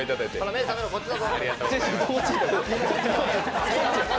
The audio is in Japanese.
目覚めろこっちだぞ。